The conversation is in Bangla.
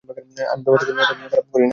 আমি ব্যাপারটাকে মোটেও খারাপ মনে করি না।